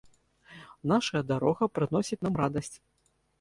Наша дарога прыносіць нам радасць.